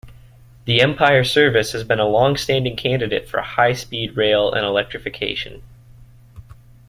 The Empire Service has been a long-standing candidate for high-speed rail and electrification.